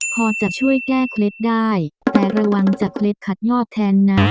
พอจะช่วยแก้เคล็ดได้แต่ระวังจากเคล็ดขัดยอดแทนนะ